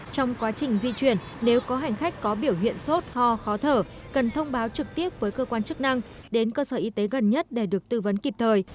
trong quá trình di chuyển nếu có hành khách có biểu hiện sốt ho khó thở cần thông báo trực tiếp với cơ quan chức năng đến cơ sở y tế gần nhất để được tư vấn kịp thời